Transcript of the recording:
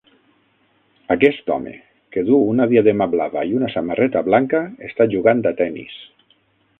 Aquest home, que duu una diadema blava i una samarreta blanca, està jugant a tennis.